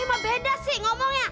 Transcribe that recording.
ini mah beda sih ngomongnya